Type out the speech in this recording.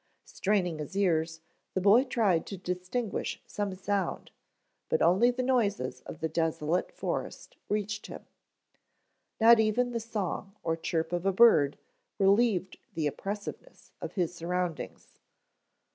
Straining his ears, the boy tried to distinguish some sound, but only the noises of the desolate forest reached him. Not even the song or chirp of a bird relieved the oppressiveness of his surroundings.